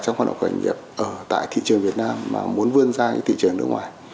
trong hoạt động khởi nghiệp ở tại thị trường việt nam mà muốn vươn ra những thị trường nước ngoài